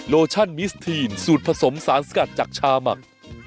โลชั่นมิสทีนสูตรผสมสารสกัดจากชาหมัก